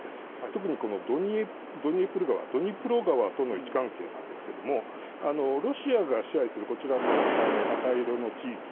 特にドニプロ川との位置関係なんですけどもロシアが支配するこちらの赤色の地域。